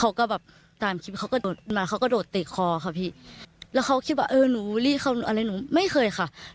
เขาก็ต้องเดินเขามาติดต่อติดข้อ